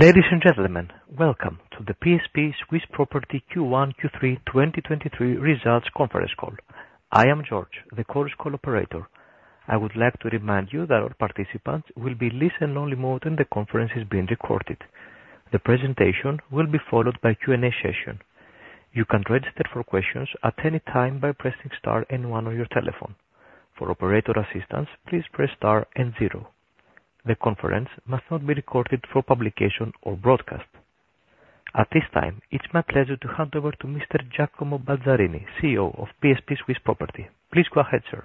Ladies and gentlemen, welcome to the PSP Swiss Property Q1-Q3 2023 results conference call. I am George, the conference call operator. I would like to remind you that all participants will be listen only mode, and the conference is being recorded. The presentation will be followed by Q&A session. You can register for questions at any time by pressing star and one on your telephone. For operator assistance, please press star and zero. The conference must not be recorded for publication or broadcast. At this time, it's my pleasure to hand over to Mr. Giacomo Balzarini, CEO of PSP Swiss Property. Please go ahead, sir.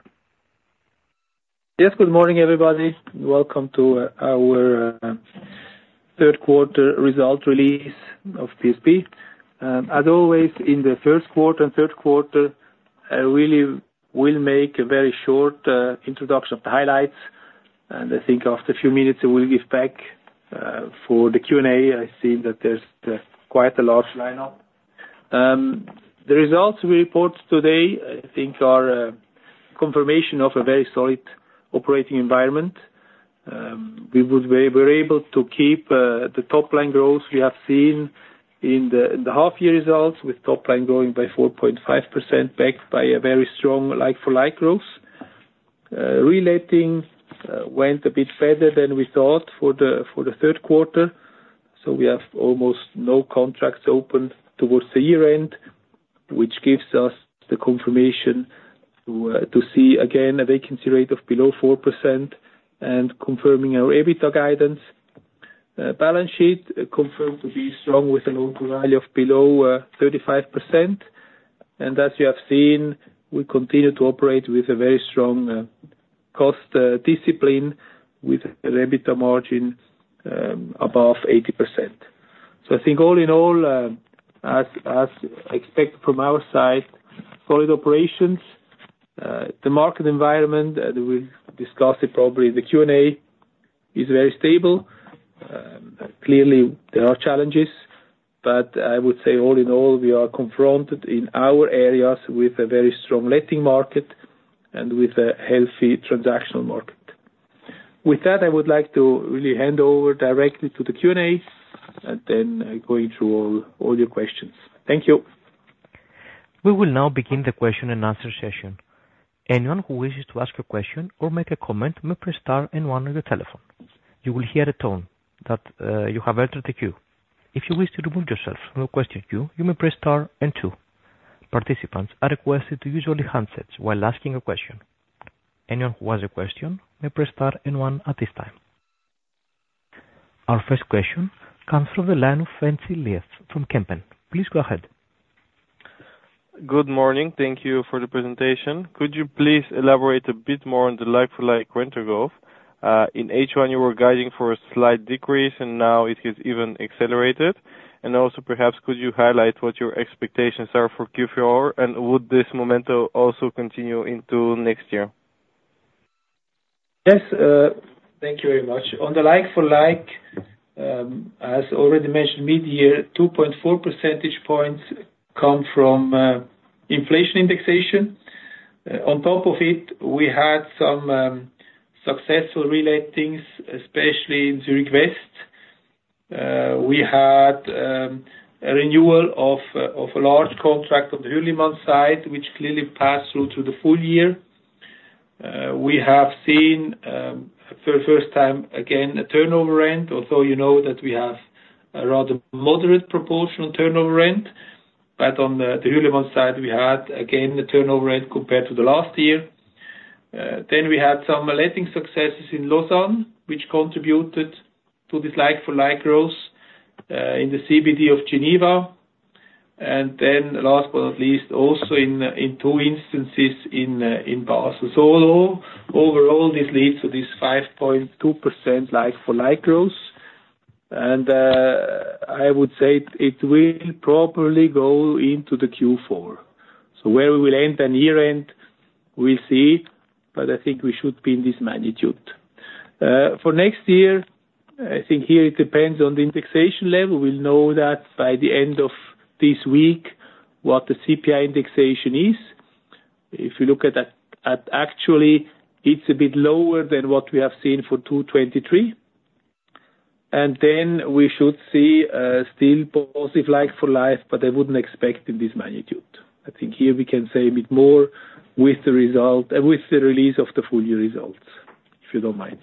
Yes, good morning, everybody. Welcome to our third quarter result release of PSP. As always, in the first quarter and third quarter, I really will make a very short introduction of the highlights, and I think after a few minutes, we will give back for the Q&A. I see that there's quite a large lineup. The results we report today, I think, are confirmation of a very solid operating environment. We were able to keep the top-line growth we have seen in the half-year results, with top line growing by 4.5%, backed by a very strong like-for-like growth. Reletting went a bit better than we thought for the third quarter, so we have almost no contracts open towards the year end, which gives us the confirmation to see again a vacancy rate of below 4% and confirming our EBITDA guidance. Balance sheet confirmed to be strong, with a value of below 35%. And as you have seen, we continue to operate with a very strong cost discipline with EBITDA margin above 80%. So I think all in all, as expected from our side, solid operations, the market environment, and we'll discuss it probably in the Q&A is very stable. Clearly there are challenges, but I would say all in all, we are confronted in our areas with a very strong letting market and with a healthy transactional market. With that, I would like to really hand over directly to the Q&A and then go through all, all your questions. Thank you. We will now begin the question-and-answer session. Anyone who wishes to ask a question or make a comment, may press star and one on the telephone. You will hear a tone that you have entered the queue. If you wish to remove yourself from the question queue, you may press star and two. Participants are requested to use only handsets while asking a question. Anyone who has a question, may press star and one at this time. Our first question comes from the line of John Vuong from Kempen. Please go ahead. Good morning. Thank you for the presentation. Could you please elaborate a bit more on the like-for-like rent growth? In H1, you were guiding for a slight decrease, and now it has even accelerated. And also, perhaps, could you highlight what your expectations are for Q4, and would this momentum also continue into next year? Yes, thank you very much. On the like-for-like, as already mentioned, mid-year, 2.4 percentage points come from, inflation indexation. On top of it, we had some, successful reletting, especially in Zürich West. We had, a renewal of, of a large contract on the Hürlimann site, which clearly passed through to the full year. We have seen, for the first time, again, a turnover rent, although you know that we have a rather moderate proportional turnover rent. But on the Hürlimann side, we had, again, the turnover rent compared to the last year. Then we had some letting successes in Lausanne, which contributed to this like-for-like growth, in the CBD of Geneva, and then last but not least, also in, in two instances in, in Basel. So although, overall, this leads to this 5.2% like-for-like growth, and I would say it will probably go into the Q4. So where we will end the year end, we'll see, but I think we should be in this magnitude. For next year, I think here it depends on the indexation level. We'll know that by the end of this week, what the CPI indexation is. If you look at that, actually, it's a bit lower than what we have seen for 2023. And then we should see still positive like-for-like, but I wouldn't expect in this magnitude. I think here we can say a bit more with the result with the release of the full year results, if you don't mind.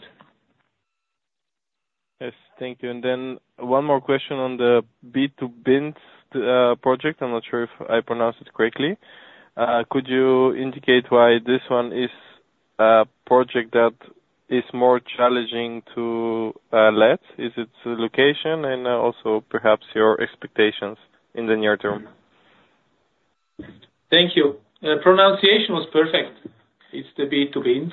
Yes. Thank you. And then one more question on the B2Binz project. I'm not sure if I pronounce it correctly. Could you indicate why this one is a project that is more challenging to let? Is it the location and also perhaps your expectations in the near term? Thank you. Pronunciation was perfect. It's the B2Binz.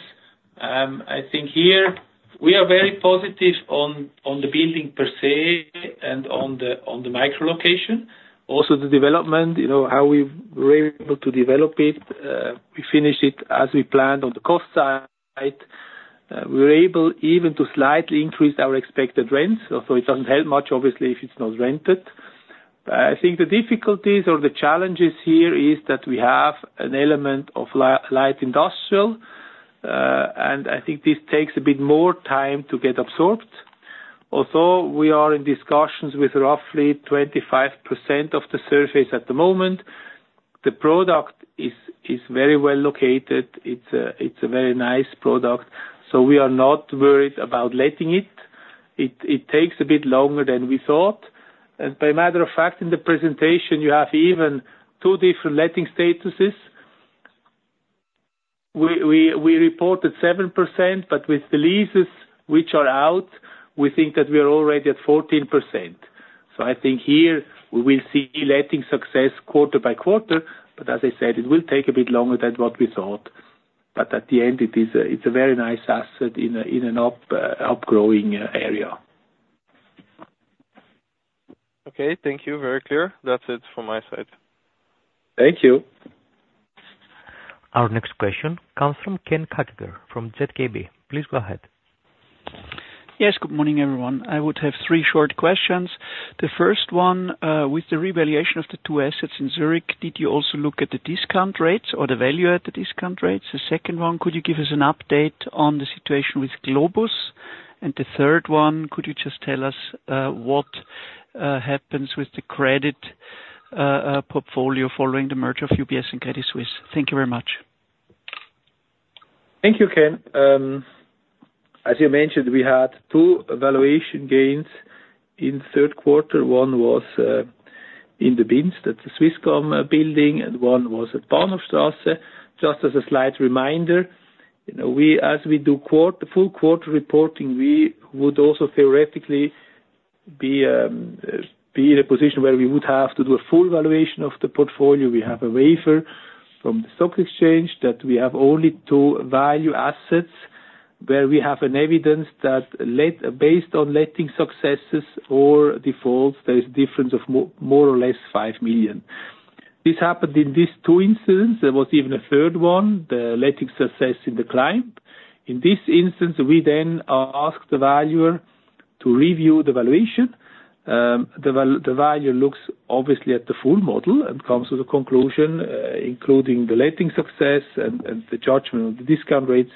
I think here we are very positive on, on the building per se and on the, on the micro location. Also, the development, you know, how we were able to develop it. We finished it as we planned. On the cost side, we were able even to slightly increase our expected rents. So it doesn't help much, obviously, if it's not rented. I think the difficulties or the challenges here is that we have an element of light industrial, and I think this takes a bit more time to get absorbed. Although we are in discussions with roughly 25% of the surface at the moment, the product is, is very well located. It's a, it's a very nice product, so we are not worried about letting it. It takes a bit longer than we thought. As a matter of fact, in the presentation, you have even two different letting statuses. We reported 7%, but with the leases which are out, we think that we are already at 14%. So I think here we will see letting success quarter-by-quarter, but as I said, it will take a bit longer than what we thought. But at the end, it is a very nice asset in an up, up growing area. Okay. Thank you. Very clear. That's it from my side. Thank you. Our next question comes from Ken Kagerer from ZKB. Please go ahead. Yes, good morning, everyone. I would have three short questions. The first one, with the revaluation of the two assets in Zürich, did you also look at the discount rates or the value at the discount rates? The second one, could you give us an update on the situation with Globus? And the third one, could you just tell us, what happens with the credit portfolio following the merger of UBS and Credit Suisse? Thank you very much. Thank you, Ken. As you mentioned, we had two valuation gains in third quarter. One was in the Binzring, that's the Swisscom building, and one was at Bahnhofstrasse. Just as a slight reminder, you know, as we do quarter, full-quarter reporting, we would also theoretically be in a position where we would have to do a full valuation of the portfolio. We have a waiver from the stock exchange, that we have only two value assets, where we have an evidence that based on letting successes or defaults, there is a difference of more or less 5 million. This happened in these two instances. There was even a third one, the letting success in the Clime. In this instance, we then asked the valuer to review the valuation. The valuer looks obviously at the full model and comes to the conclusion, including the letting success and the judgment of the discount rates,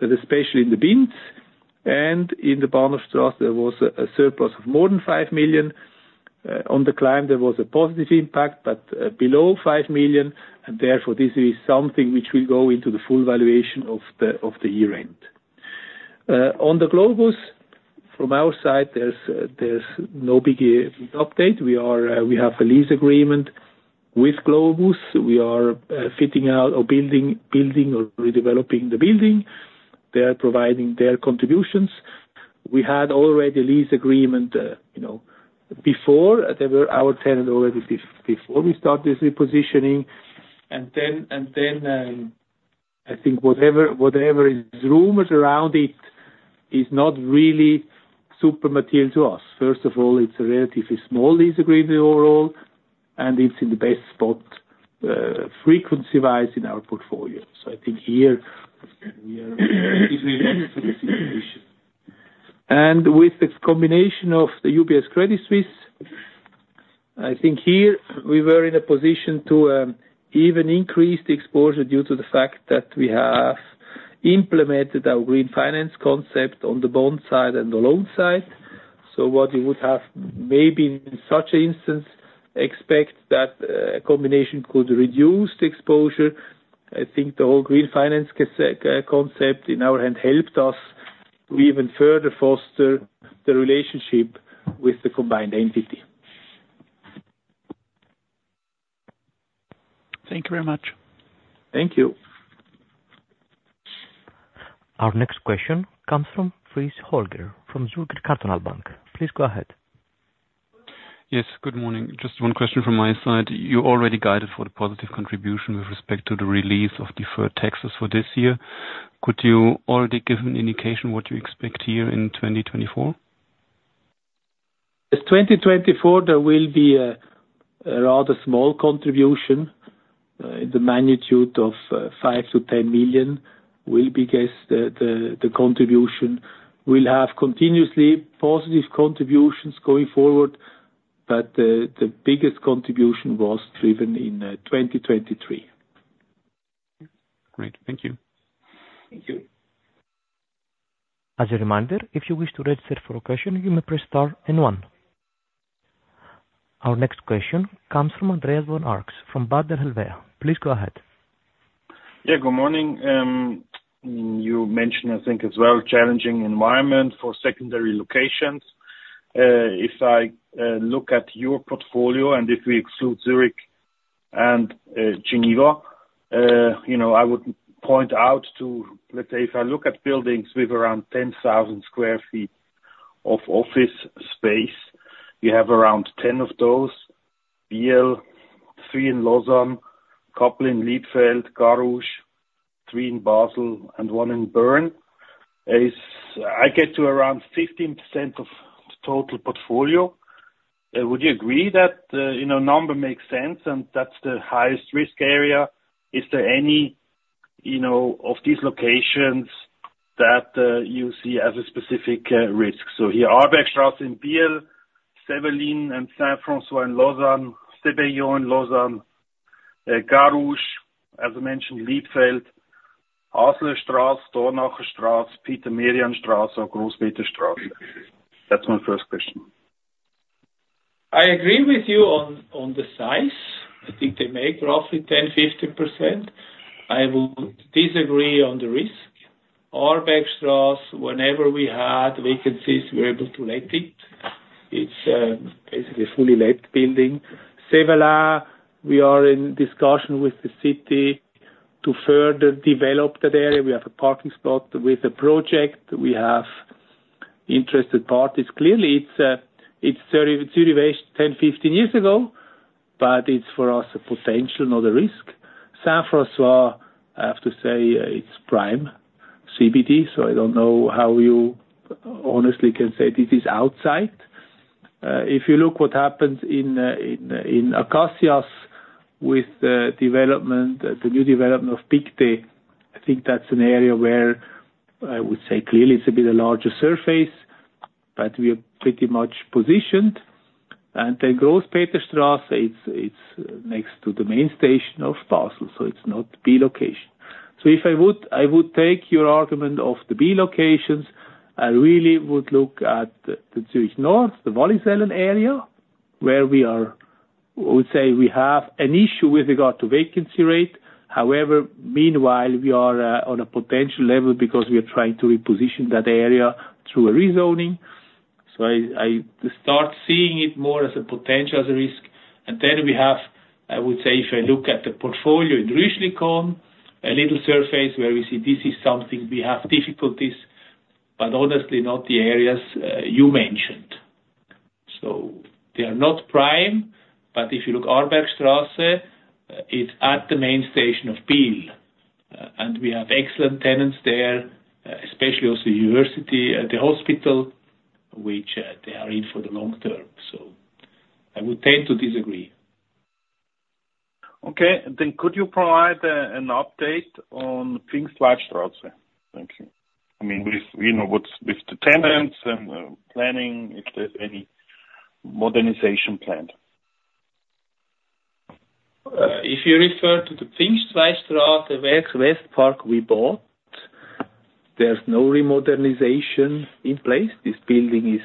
that especially in the Binzring and in the Bahnhofstrasse, there was a surplus of more than 5 million. On the Clime, there was a positive impact, but below 5 million, and therefore, this is something which will go into the full valuation of the year-end. On the Globus, from our side, there's no big update. We have a lease agreement with Globus. We are fitting out or building or redeveloping the building. They are providing their contributions. We had already a lease agreement, you know, before. They were our tenant already before we started this repositioning. And then, and then, I think whatever, whatever is rumored around it is not really super material to us. First of all, it's a relatively small lease agreement overall, and it's in the best spot, frequency-wise, in our portfolio. So I think here, we are in a better position. And with the combination of UBS and Credit Suisse, I think here we were in a position to, even increase the exposure due to the fact that we have implemented our green finance concept on the bond side and the loan side. So what you would have maybe in such an instance, expect that, a combination could reduce the exposure. I think the whole green finance concept, in our hands, helped us to even further foster the relationship with the combined entity. Thank you very much. Thank you. Our next question comes from Frisch Holger, from Zürcher Kantonalbank. Please go ahead. Yes, good morning. Just one question from my side. You already guided for the positive contribution with respect to the release of deferred taxes for this year. Could you already give an indication what you expect here in 2024?1 In 2024, there will be a rather small contribution in the magnitude of 5 million-10 million, will be, guess the contribution. We'll have continuously positive contributions going forward, but the biggest contribution was driven in 2023. Great. Thank you. Thank you. As a reminder, if you wish to register for a question, you may press star and one. Our next question comes from Andreas von Arx, from Baader Helvea. Please go ahead. Yeah, good morning. You mentioned, I think, as well, challenging environment for secondary locations. If I look at your portfolio, and if we exclude Zürich and Geneva, you know, I would point out to—let's say, if I look at buildings with around 10,000 sq ft of office space, we have around 10 of those BL, three in Lausanne, a couple in Liebefeld, Carouge, three in Basel, and one in Bern. Is I get to around 15% of the total portfolio. Would you agree that, you know, number makes sense and that's the highest risk area? Is there any—you know, of these locations that you see as a specific risk. So here, Aarbergstrasse in Biel, Sévelin and Saint-François in Lausanne, Sébeillon in Lausanne, Carouge, as I mentioned, Liebefeld, Arlesheimerstrasse, Dornacherstrasse, Peter-Merian-Strasse, and Grosspeterstrasse. That's my first question. I agree with you on the size. I think they make roughly 10%-15%. I would disagree on the risk. Aarbergstrasse, whenever we had vacancies, we were able to let it. It's basically a fully let building. Sévelin, we are in discussion with the city to further develop that area. We have a parking spot with a project. We have interested parties. Clearly, it's very situation 10-15 years ago, but it's for us, a potential, not a risk. Saint-François, I have to say, it's prime CBD, so I don't know how you honestly can say this is outside. If you look what happens in Acacias with the development, the new development of Pictet, I think that's an area where I would say clearly it's a bit larger surface, but we are pretty much positioned. And then Grosspeterstrasse, it's next to the main station of Basel, so it's not B-location. So if I would take your argument of the B-locations, I really would look at the Zürich North, the Wollishofen area, where we are—I would say we have an issue with regard to vacancy rate. However, meanwhile, we are on a potential level because we are trying to reposition that area through a rezoning. So I start seeing it more as a potential, as a risk. And then we have, I would say, if I look at the portfolio in Rüschlikon, a little surface where we see this is something we have difficulties, but honestly, not the areas you mentioned. So they are not prime. But if you look Aarbergstrasse, it's at the main station of Biel, and we have excellent tenants there, especially also university, the hospital, which they are in for the long term. So I would tend to disagree. Okay. Then could you provide an update on Pfingstweidstrasse? Thank you. I mean, with, you know, what's with the tenants and planning, if there's any modernization planned. If you refer to the Pfingstweidstrasse, the Westpark we bought, there's no re-modernization in place. This building is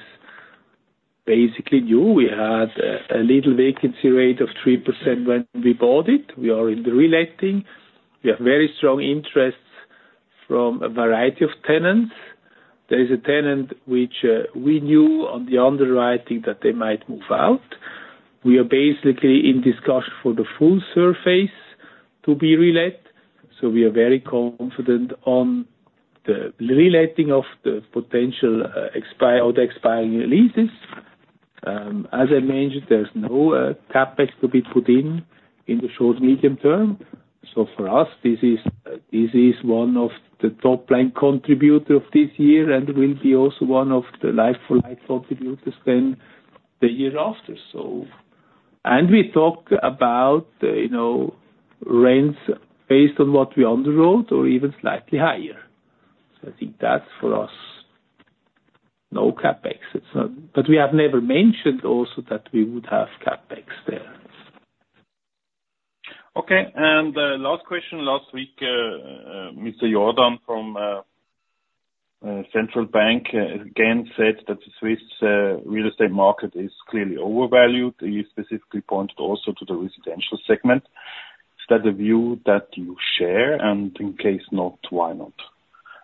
basically new. We had a little vacancy rate of 3% when we bought it. We are in the reletting. We have very strong interest from a variety of tenants. There is a tenant which we knew on the underwriting that they might move out. We are basically in discussion for the full surface to be relet, so we are very confident on the reletting of the potential expire or the expiring leases. As I mentioned, there's no CapEx to be put in in the short, medium term. So for us, this is one of the top line contributor of this year and will be also one of the like-for-like contributors then, the year after, so. We talk about, you know, rents based on what we underwrote or even slightly higher. I think that's for us, no CapEx. It's not. But we have never mentioned also that we would have CapEx there. Okay, and, last question. Last week, Mr. Jordan from Central Bank again said that the Swiss real estate market is clearly overvalued. He specifically pointed also to the residential segment. Is that the view that you share, and in case not, why not?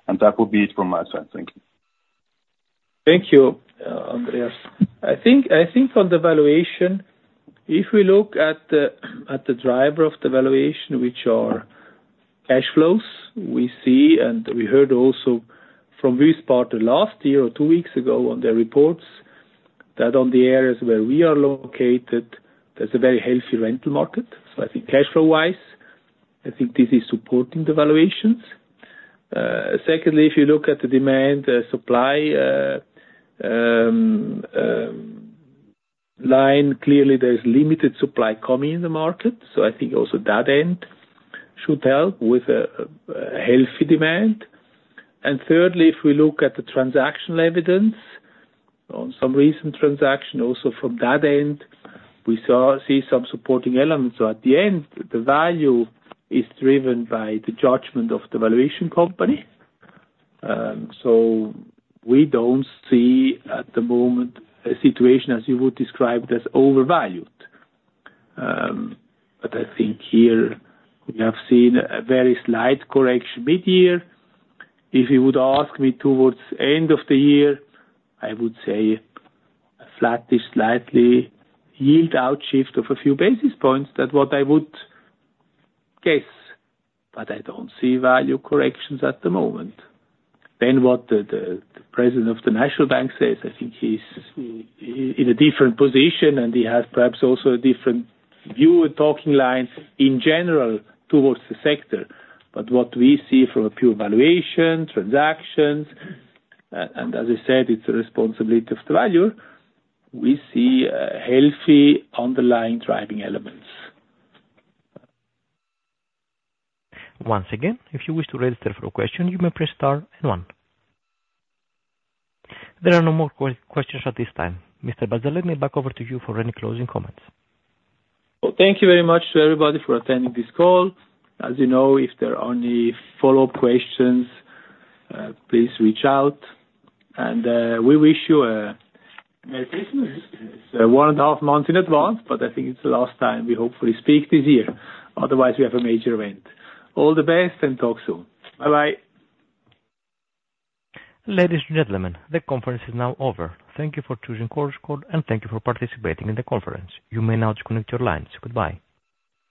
And that would be it from my side. Thank you. Thank you, Andreas. I think, I think on the valuation, if we look at the, at the driver of the valuation, which are cash flows, we see, and we heard also from this part last year or two weeks ago on their reports, that on the areas where we are located, there's a very healthy rental market. So I think cash flow-wise, I think this is supporting the valuations. Secondly, if you look at the demand, supply, line, clearly there's limited supply coming in the market. So I think also that end should help with a healthy demand. And thirdly, if we look at the transactional evidence, on some recent transaction, also from that end, we see some supporting elements. So at the end, the value is driven by the judgment of the valuation company. So we don't see, at the moment, a situation as you would describe, as overvalued. But I think here we have seen a very slight correction mid-year. If you would ask me towards end of the year, I would say a slightly yield shift of a few basis points, that's what I would guess, but I don't see value corrections at the moment. Then what the president of the National Bank says, I think he's in a different position, and he has perhaps also a different view and talking line in general towards the sector. But what we see from a pure valuation, transactions, and as I said, it's the responsibility of the valuer, we see a healthy underlying driving elements. Once again, if you wish to register for a question, you may press star and one. There are no more questions at this time. Mr. Balzarini, let me back over to you for any closing comments. Well, thank you very much to everybody for attending this call. As you know, if there are any follow-up questions, please reach out. We wish you a merry Christmas, one and a half months in advance, but I think it's the last time we hopefully speak this year. Otherwise, we have a major event. All the best, and talk soon. Bye-bye. Ladies and gentlemen, the conference is now over. Thank you for choosing Chorus Call, and thank you for participating in the conference. You may now disconnect your lines. Goodbye.